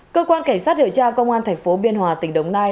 cơ quan cảnh sát điều tra công an tp biên hòa tỉnh đồng nai